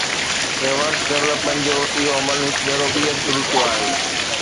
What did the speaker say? Reverse development جو اهو عمل هڪ ڀيرو ٻيهر شروع ٿيو آهي.